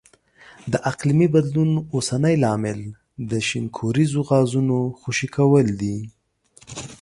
د اقلیمي بدلون اوسنی لامل د شینکوریزو غازونو خوشې کول دي.